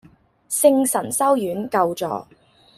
聖神修院舊座